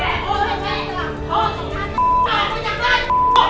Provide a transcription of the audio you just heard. อย่าเอามันเดินเข้ามา